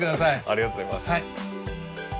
ありがとうございます。